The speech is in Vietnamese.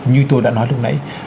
như tôi đã nói lúc nãy